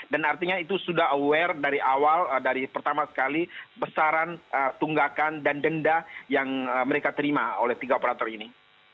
dan artinya itu sudah aware dari awal dari pertama sekali besaran tunggakan dan denda yang mereka terima oleh tiga operator ini